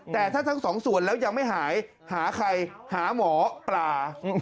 แต่ถ้าทั้งสองส่วนแล้วยังไม่หายหาใครหาหมอปลา